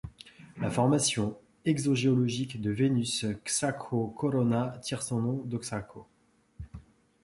La formation exogéologique de Vénus Xcacau Corona tire son nom de Xcacau.